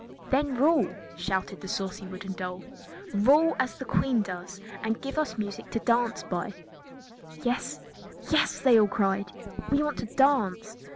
"Then rule!" shouted the saucy wooden doll. "Rule as the Queen does, and give us music to dance by." "Yes! yes!" they all cried. "We want to dance!"